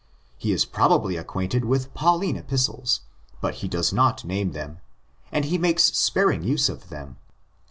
He is probably acquainted with Pauline Epistles; but he does not name them, and he makes sparing use of them.